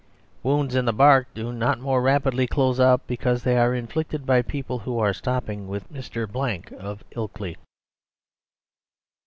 Wounds in the bark do not more rapidly close up because they are inflicted by people who are stopping with Mr. Blank of Ilkley.